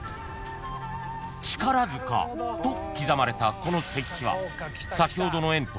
［「力塚」と刻まれたこの石碑は先ほどの］